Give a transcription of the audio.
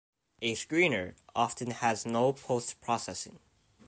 A screener often has no post-processing.